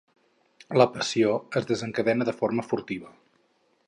La passió es desencadena de forma furtiva.